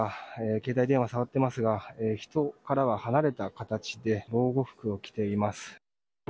携帯電話を触っていますが人からは離れた形で防護服を着ています。